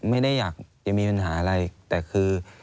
ไม่ได้อยากจะมีปัญหาอะไรแต่คือ